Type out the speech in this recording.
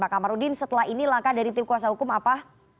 pak kamarudin setelah ini langkah dari tim kuasa hukum apa